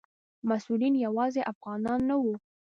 مسؤلین یوازې افغانان نه وو.